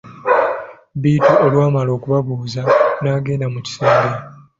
Bittu olwamala okubabuuza n'agenda mu kisenge.